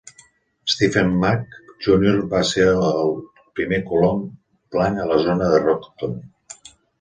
Stephen Mack, Junior va ser el primer colon blanc a la zona de Rockton.